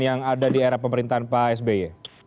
yang ada di era pemerintahan pak sby